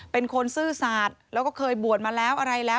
เป็นคนซื่อสาธิ์แล้วก็เคยบ่วนมาแล้วอะไรแล้ว